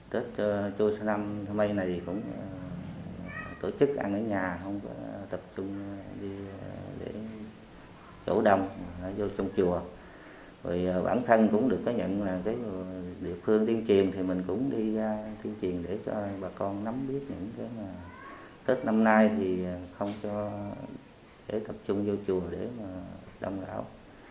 tết năm nay thì không cho để tập trung vô chùa để mà đông gạo